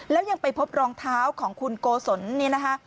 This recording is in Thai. แล้วยังไปพบรองเท้าของคุณโกศลเนี่ยนะคะ